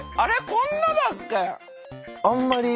こんなだっけ？